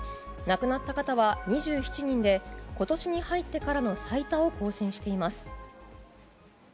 亡くなった方は２７人で今年に入ってからの最多を更新しています。